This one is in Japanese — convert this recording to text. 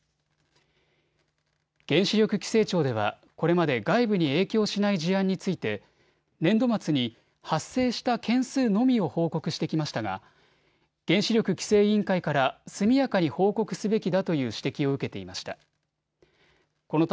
原子力規制庁ではこれまで外部に影響しない事案について年度末に発生した件数のみを報告してきましたが原子力規制委員会から速やかに報告すべきだという指摘を受けていました。